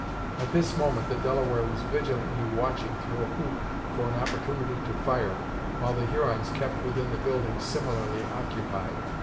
At this moment the Delaware was vigilantly watching through a loop for an opportunity to fire, while the Hurons kept within the building, similarly occupied.